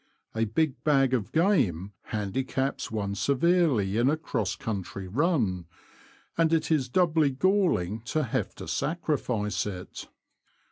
A big bag of game handicaps one severely in a cross country run, and it is doubly galling to have to sacrifice it.